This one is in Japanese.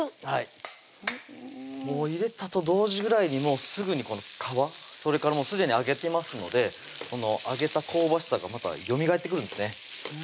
はいもう入れたと同時ぐらいにすぐにこの皮それからすでに揚げてますので揚げた香ばしさがまたよみがえってくるんですね